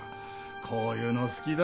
こういうの好きだろ？